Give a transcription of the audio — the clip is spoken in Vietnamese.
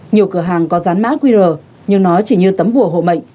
nhiều cửa hàng có dán mã qr nhưng nó chỉ như tấm bùa hộ mệnh